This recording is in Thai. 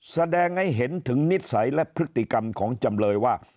แสดงให้เห็นถึงนิสัยและพฤติกรรมของจำเลยว่า